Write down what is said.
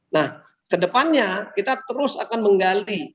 nah kedepannya kita terus akan menggali